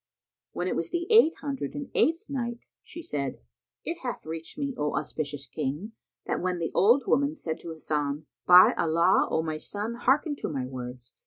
When it was the Eight Hundred and Eighth Night, She said, It hath reached me, O auspicious King, that when the old woman said to Hasan, "By Allah, O my son, hearken to my words!